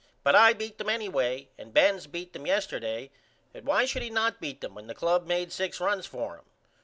But I beat them anyway and Benz beat them yesterday but why should he not beat them when the club made 6 runs for him?